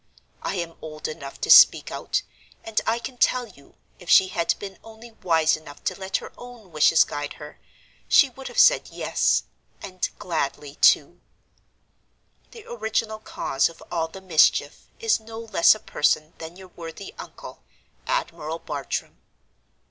I am old enough to speak out; and I can tell you, if she had only been wise enough to let her own wishes guide her, she would have said Yes—and gladly, too. "The original cause of all the mischief is no less a person than your worthy uncle—Admiral Bartram.